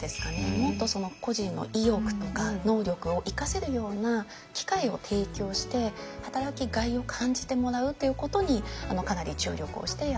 もっとその個人の意欲とか能力を生かせるような機会を提供して働きがいを感じてもらうということにかなり注力をしてやっていたりしますね。